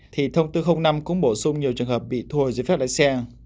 thì thông tư năm cũng bổ sung nhiều trường hợp bị thu hồi giấy phép lái xe